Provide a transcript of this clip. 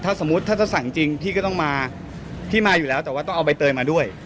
ถ้าสมมุติถ้าจะสั่งจริงพี่ก็ต้องมาพี่มาอยู่แล้วแต่ว่าต้องเอาใบเตยมาด้วย